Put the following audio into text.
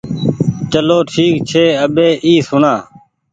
چلو ٺيڪ ڇي اٻي اي سوڻآ